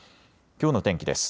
きょうの天気です。